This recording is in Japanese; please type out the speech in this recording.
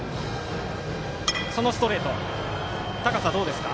ストレートの高さはどうですか？